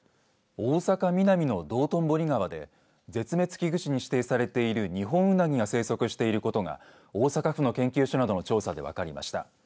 大阪、ミナミの道頓堀川で絶滅危惧種に指定されている二ホンウナギが生息していることが大阪府の研究所などの調査で分かりました。